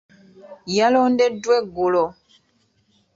Yalondeddwa eggulo.